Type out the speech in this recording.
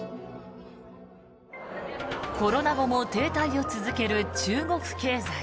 コロナ後も停滞を続ける中国経済。